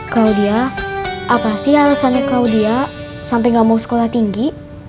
claudia apa sih alasannya claudia sampai nggak mau sekolah tinggi